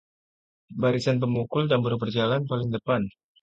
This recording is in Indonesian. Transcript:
barisan pemukul tambur berjalan paling depan